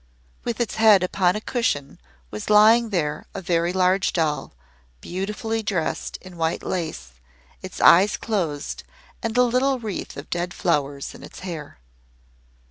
With its head upon a cushion was lying there a very large doll, beautifully dressed in white lace, its eyes closed, and a little wreath of dead flowers in its hair.